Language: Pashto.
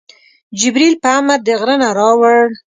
جبریل په امر د غره نه راوړ.